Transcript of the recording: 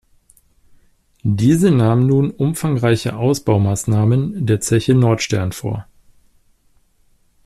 Diese nahm nun umfangreiche Ausbaumaßnahmen der Zeche Nordstern vor.